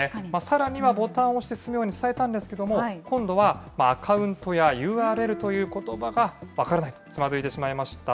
さらにボタンを押して進むように伝えたんですけれども、今度はアカウントやＵＲＬということばが分からない、つまずいてしまいました。